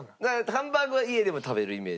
ハンバーグは家でも食べるイメージ。